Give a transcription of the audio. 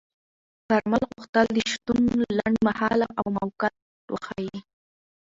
کارمل غوښتل د شتون لنډمهاله او موقت وښيي.